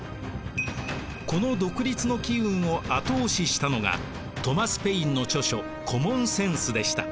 この独立の機運を後押ししたのがトマス・ペインの著書「コモン・センス」でした。